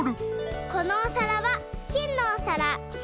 このおさらはきんのおさら！